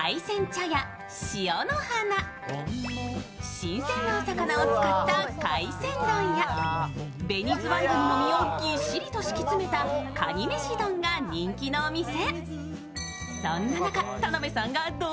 新鮮なお魚を使った海鮮丼やベニズワイガニの身をぎっしりと敷き詰めたカニめし丼が人気のお店。